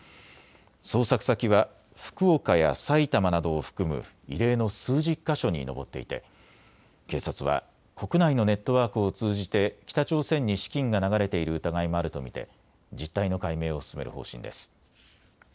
捜索先は福岡や埼玉などを含む異例の数十か所に上っていて警察は国内のネットワークを通じて北朝鮮に資金が流れている疑いもあると見て実態の解明を進める方針です。